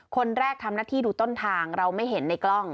คนแรกทำหน้าที่ดูต้นทางเราไม่เห็นในกล้อง